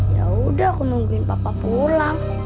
ya udah aku nungguin bapak pulang